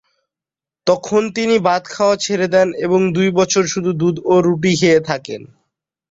তখন তিনি ভাত খাওয়া ছেড়ে দেন এবং দুই বছর শুধু দুধ ও রুটি খেয়ে থাকেন।